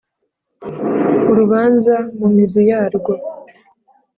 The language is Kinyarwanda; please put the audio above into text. urubanza mu mizi yarwo